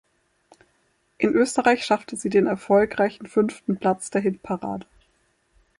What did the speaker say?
In Österreich schaffte sie den erfolgreichen fünften Platz der Hitparade.